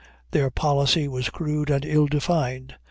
Their policy was crude and ill defined.